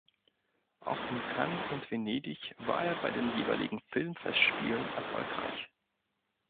Auch in Cannes und Venedig war er bei den jeweiligen Filmfestspielen erfolgreich.